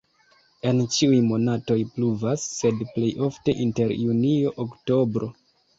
En ĉiuj monatoj pluvas, sed plej ofte inter junio-oktobro.